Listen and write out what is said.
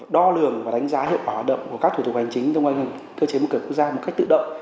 đo lường và đánh giá hiệu quả hoạt động của các thủ tục hành chính trong ngành hình cơ chế mức cửa quốc gia một cách tự động